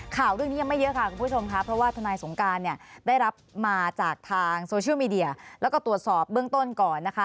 ข่าวเรื่องนี้ยังไม่เยอะค่ะคุณผู้ชมค่ะเพราะว่าทนายสงการเนี่ยได้รับมาจากทางโซเชียลมีเดียแล้วก็ตรวจสอบเบื้องต้นก่อนนะคะ